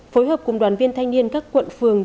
phối hợp cùng đoàn viên thanh niên các quận phường